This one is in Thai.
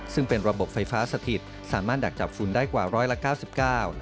ซึ่งเป็นระบบไฟฟ้าสถิตรสามารถดักจับฟุ่นได้กว่า๑๙๙บาท